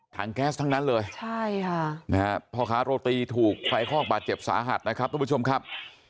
แก๊สทั้งนั้นเลยใช่ค่ะนะฮะพ่อค้าโรตีถูกไฟคอกบาดเจ็บสาหัสนะครับทุกผู้ชมครับ